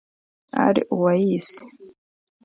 Al-Owais